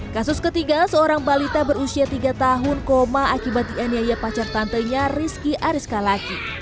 kasus ketiga seorang balita berusia tiga tahun koma akibat dianiaya pacar tantenya rizky ariskalaki